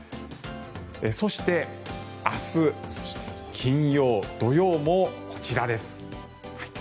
そして、明日そして金曜、土曜もこちらです。